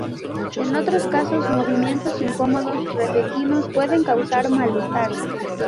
En otros casos, movimientos incómodos repentinos pueden causar malestar.